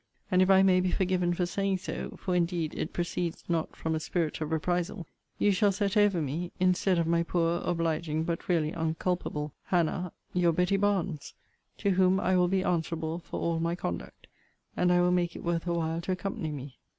And, if I may be forgiven for saying so (for indeed it proceeds not from a spirit of reprisal) you shall set over me, instead of my poor obliging, but really unculpable, Hannah, your Betty Barnes; to whom I will be answerable for all my conduct. And I will make it worth her while to accompany me.